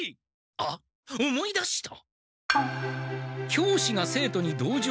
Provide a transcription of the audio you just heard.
あっ思い出した！